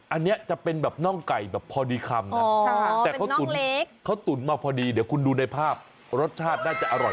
อันนี้จะเป็นแบบน่องไก่แบบพอดีคำนะแต่เขาตุ๋นเขาตุ๋นมาพอดีเดี๋ยวคุณดูในภาพรสชาติน่าจะอร่อย